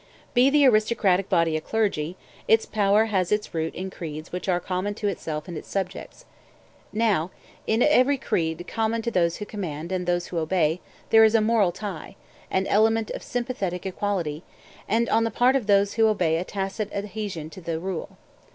Be the aristocratic body a clergy, its power has its root in creeds which are common to itself and its subjects. Now, in every creed common to those who command and those who obey there is a moral tie, an element of sympathetic equality, and on the part of those who obey a tacit adhesion to the rule.